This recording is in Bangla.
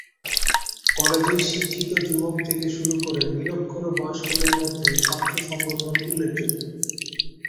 কলেজের শিক্ষিত যুবক থেকে শুরু করে নিরক্ষর বয়স্কদের মধ্যে ছাত্র সংগঠন উল্লেখযোগ্য।